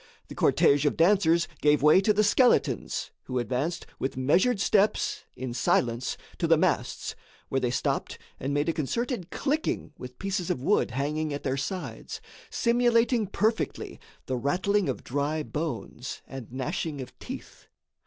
The cortège of dancers gave way to the skeletons, who advanced with measured steps, in silence, to the masts, where they stopped and made a concerted clicking with pieces of wood hanging at their sides, simulating perfectly the rattling of dry bones and gnashing of teeth.